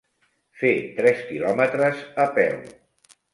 Fer tres quilòmetres a peu.